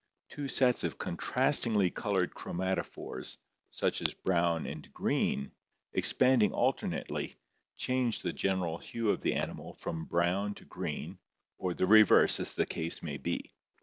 Two sets of contrastingly colored chromatophores, such as brown and green, expanding al ternately, change the general hue of the animal from brown to green or the reverse as the case may be.